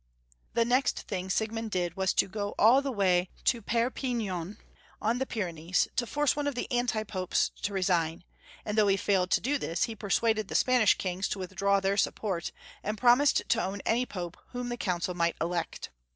The next thing Siegmund did was to go all the way to Perpignan on the Pyrennees to force one of the anti Popes to resign, and though he failed to do this, he persuaded the Spanish kings to withdraw their support, and promise to own any Pope whom the Council might elect.